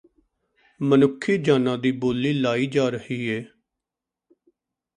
ਮਨੁੱਖੀ ਜਾਨਾਂ ਦੀ ਬੋਲੀ ਲਾਈ ਜਾ ਰਹੀ ਏ